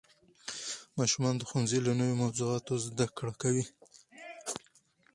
ماشومان د ښوونځي له نوې موضوعاتو زده کړه کوي